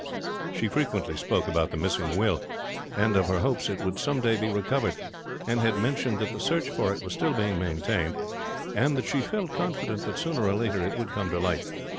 She frequently spoke about the missing will, and of her hopes it would some day be recovered; and had mentioned that the search for it was still being maintained, and that she felt confident that sooner or later it would come to light.